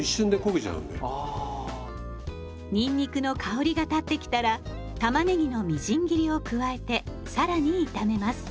にんにくの香りが立ってきたらたまねぎのみじん切りを加えて更に炒めます。